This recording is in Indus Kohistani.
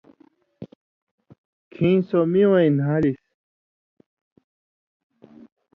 کھیں سو می وَیں نھالِسیۡ۔